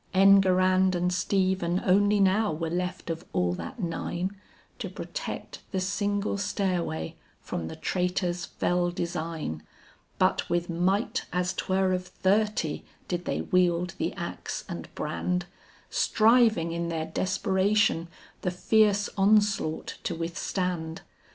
Enguerrand and Stephen only now were left of all that nine, To protect the single stairway from the traitor's fell design; But with might as 'twere of thirty, did they wield the axe and brand, Striving in their desperation the fierce onslaught to withstand.